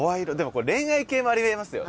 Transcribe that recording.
これ恋愛系もありえますよね。